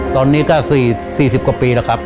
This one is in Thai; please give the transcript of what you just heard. ตอนนี้ก็๔๐กว่าปีแล้วครับ